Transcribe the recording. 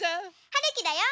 はるきだよ。